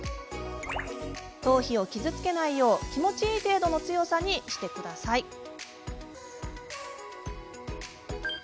頭皮を傷つけないよう気持ちいい程度の強さにしてくださいね。